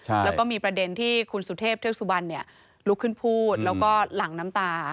แล้วก็มีประเด็นที่คุณสุเทพเทือกสุบันเนี่ยลุกขึ้นพูดแล้วก็หลั่งน้ำตา